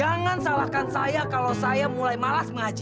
jangan salahkan saya kalau saya mulai malas maju